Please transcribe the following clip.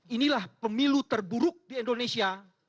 inilah pemilu terburuk di indonesia